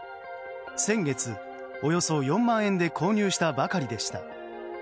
先月およそ４万円で購入したばかりでした。